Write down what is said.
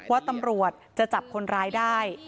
ว่าตำรวจจะจับคนร้ายได้